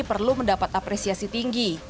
perlu mendapat apresiasi tinggi